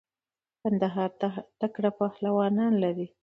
قندهار تکړه پهلوانان لری.